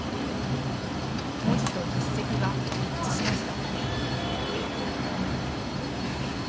文字と筆跡が一致しました。